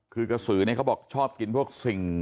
คือกระสือเนี่ยเขาบอกชอบกินพวกสิ่ง